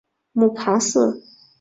母庞氏。